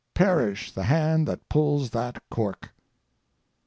Perish the hand that pulls that cork!